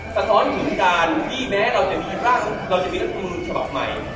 สะท้อนถึงการที่แม้เราจะมีรักษณ์ศาสตร์ใหม่